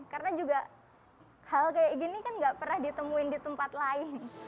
karena juga hal kayak gini kan nggak pernah ditemuin di tempat lain